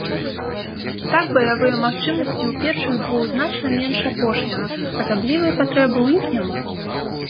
Так баявыя магчымасці ў першых двух значна менш апошняга, асаблівай патрэбы ў іх няма.